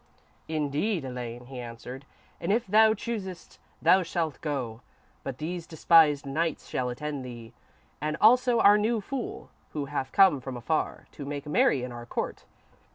_ _"Indeed, Elaine," he answered, "and if thou choosest, thou shalt go, but these despised knights shall attend thee, and also our new fool, who hath come from afar to make merry in our court.